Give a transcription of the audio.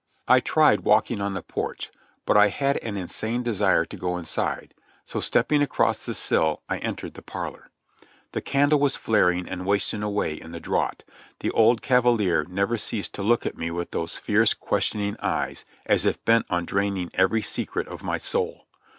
I tried walking on the porch, but I had an insane desire to go inside; so stepping across the sill, I entered the parlor. The candle was flaring and wasting away in the draught; the old cavalier never ceased to look at me with those fierce, questioning eyes, as if bent on draining every secret of my soul.